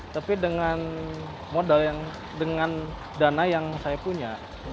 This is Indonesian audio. tapi dengan modal yang dengan dana yang saya punya